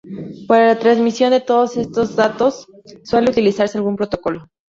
Para la transmisión de todos estos datos suele utilizarse algún protocolo.